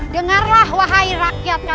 dengarlah wahai rakyat karang sedana